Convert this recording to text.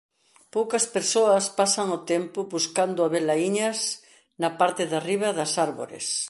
Poucas persoas pasan o tempo buscando avelaíñas na parte de arriba das arbores.